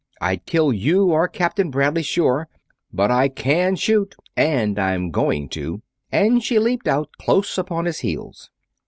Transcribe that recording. I'd kill you or Captain Bradley, sure; but I can shoot, and I'm going to!" and she leaped out, close upon his heels.